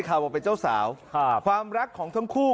ความรักของทั้งคู่